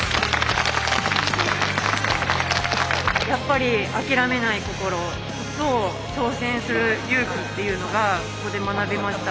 やっぱり諦めない心と挑戦する勇気っていうのがここで学びました。